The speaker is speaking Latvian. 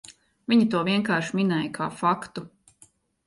Viņa to vienkārši minēja kā faktu.